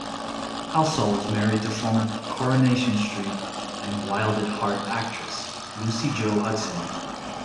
Halsall is married to former "Coronation Street" and "Wild at Heart" actress, Lucy-Jo Hudson.